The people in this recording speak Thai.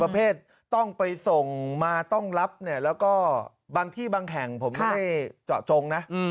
ประเภทต้องไปส่งมาต้องรับเนี่ยแล้วก็บางที่บางแห่งผมไม่ได้เจาะจงนะ